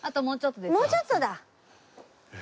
もうちょっとだ。